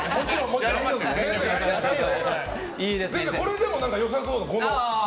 これでも良さそう。